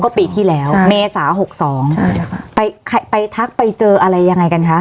อ๋อก็ปีที่แล้วใช่เมษาหกสองใช่ค่ะไปไปทักไปเจออะไรยังไงกันคะ